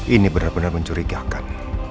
ini benar benar mencurigakan